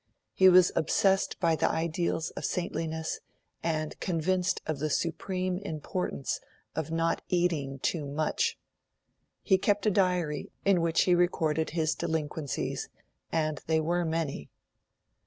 He was obsessed by the ideals of saintliness, and convinced of the supreme importance of not eating too much. He kept a diary in which he recorded his delinquencies, and they were many.